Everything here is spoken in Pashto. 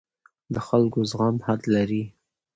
د خلکو زغم حد لري